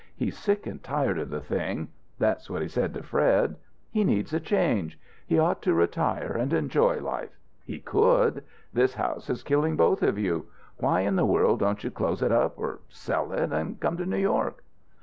He's sick and tired of the thing; that's what he said to Fred. He needs a change. He ought to retire and enjoy life. He could. This house is killing both of you. Why in the world don't you close it up, or sell it, and come to New York?"